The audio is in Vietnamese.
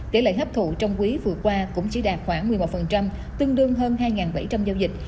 tỷ lệ hấp thụ trong quý vừa qua cũng chỉ đạt khoảng một mươi một tương đương hơn hai bảy trăm linh giao dịch